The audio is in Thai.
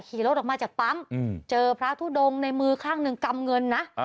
ขี่รถออกมาจากปั๊มเจอพระทุดงในมือข้างหนึ่งกำเงินนะ